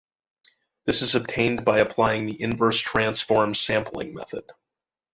This is obtained by applying the inverse transform sampling-method.